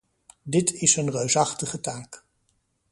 Dit is een reusachtige taak.